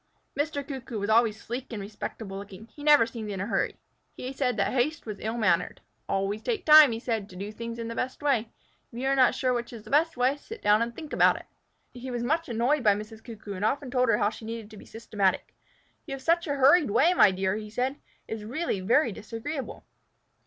Mr. Cuckoo was always sleek and respectable looking. He never seemed in a hurry. He said that haste was ill mannered. "Always take time," he said, "to do things in the best way. If you are not sure which is the best way, sit down and think about it." He was much annoyed by Mrs. Cuckoo, and often told her how she needed to be systematic. "You have such a hurried way, my dear," said he. "It is really very disagreeable."